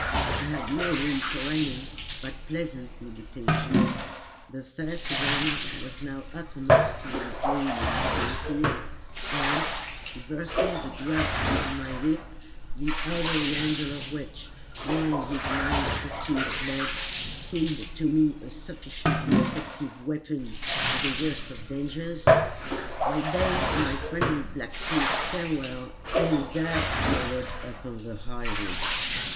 I had no room for any but pleasant meditations. The fair Susannah was now uppermost in my dreaming fancies, and, reversing the grasp upon my whip, the ivory handle of which, lined with an ounce or two of lead, seemed to me a sufficiently effective weapon for the worst of dangers, I bade my friendly blacksmith farewell, and dashed forward upon the high road.